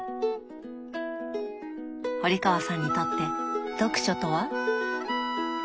堀川さんにとって読書とは？